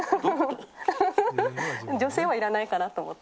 女性はいらないかなと思って。